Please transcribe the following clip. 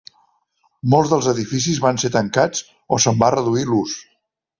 Molts dels edificis van ser tancats o se'n va reduir l'ús.